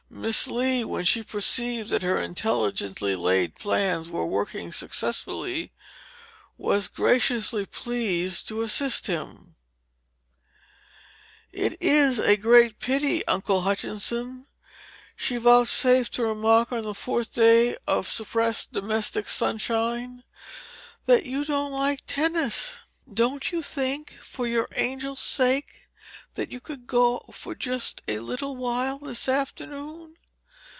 Miss Lee, when she perceived that her intelligently laid plans were working successfully, was graciously pleased to assist him. "It is a great pity, Uncle Hutchinson," she vouchsafed to remark on the fourth day of suppressed domestic sunshine, "that you don't like tennis. Don't you think, for your angel's sake, that you could go for just a little while this afternoon?